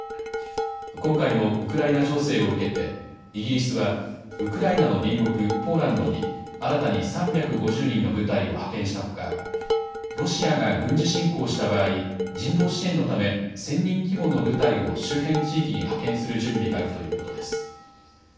今回のウクライナ情勢を受けて、イギリスはウクライナの隣国ポーランドに新たに３５０人の部隊を派遣したほか、ロシアが軍事侵攻した場合、人道支援のため、１０００人規模の部隊を周辺地域に派遣する準備があるということです。